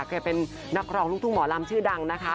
แกเป็นนักร้องลูกทุ่งหมอลำชื่อดังนะคะ